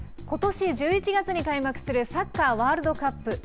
ことし１１月に開幕するサッカーワールドカップ。